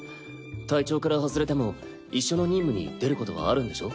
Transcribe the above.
隊長から外れても一緒の任務に出ることはあるんでしょ？